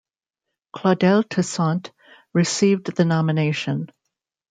Claudel Toussaint received the nomination.